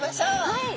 はい。